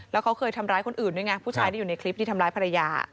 แล้วเขาเคยทำร้ายคนอื่นด้วยไงผู้ชายที่อยู่ในคลิปที่ทำร้ายภรรยา